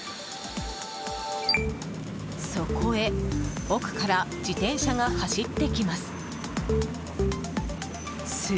そこへ、奥から自転車が走ってきます。